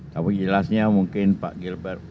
tapi jelasnya mungkin pak gilbert